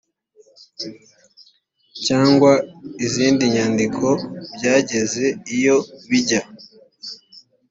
cyangwa izindi nyandiko byageze iyo bijya